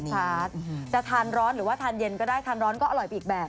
ชาร์จจะทานร้อนหรือว่าทานเย็นก็ได้ทานร้อนก็อร่อยไปอีกแบบ